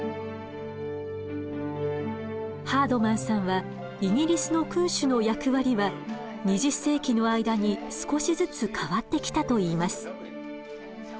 ハードマンさんはイギリスの君主の役割は２０世紀の間に少しずつ変わってきたといいます。